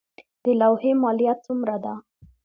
د لوحې مالیه څومره ده؟